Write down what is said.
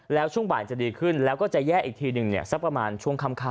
แล้วช่วงบ่ายจะดีขึ้นแล้วก็จะแยกอีกทีหนึ่งสักประมาณช่วงค่ำ